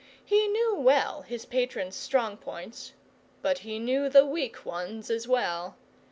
He knew well his patron's strong points, but he knew the weak ones as well.